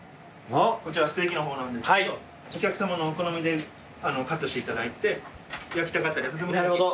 こちらステーキの方なんですけどお客さまのお好みでカットしていただいて焼きたかったらいつでもしちりんの方で。